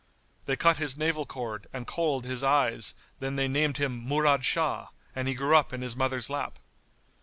They cut his navel cord and kohl'd his eyes then they named him Murad Shah, and he grew up in his mother's lap.